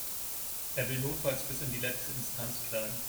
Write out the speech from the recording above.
Er will notfalls bis in die letzte Instanz klagen.